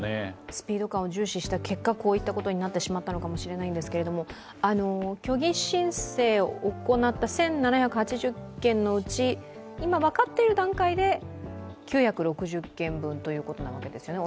スピード感を重視した結果、こういうことになってしまったかもしれないのですけれども、虚偽申請を行った１７８０件のうち今、分かっている段階で９６０件分ということですね。